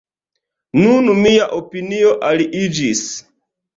Nun mia opinio aliiĝis.